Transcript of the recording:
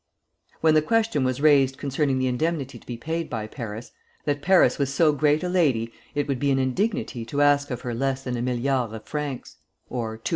When the question was raised concerning the indemnity to be paid by Paris, Bismarck said, laughing, that Paris was so great a lady, it would be an indignity to ask of her less than a milliard of francs ($200,000,000).